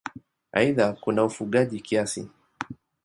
Aidha kuna ufugaji kiasi.